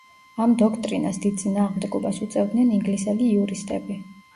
ამ დოქტრინას დიდ წინააღმდეგობას უწევდნენ ინგლისელი იურისტები.